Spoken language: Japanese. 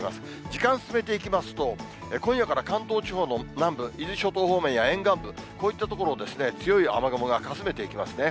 時間進めていきますと、今夜から関東地方の南部、伊豆諸島方面や沿岸部、こういった所を強い雨雲がかすめていきますね。